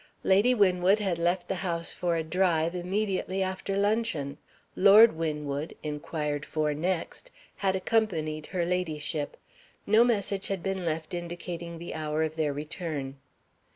Lady Winwood had left the house for a drive immediately after luncheon. Lord Winwood inquired for next had accompanied her ladyship. No message had been left indicating the hour of their return.